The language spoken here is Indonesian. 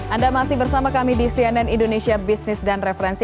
anda masih bersama kami di cnn indonesia business dan referensi